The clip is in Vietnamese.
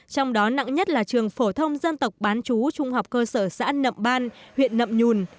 trong đó nặng nhất là trường phổ thông dân tộc bán chú trung học cơ sở xã nậm ban huyện nậm nhùn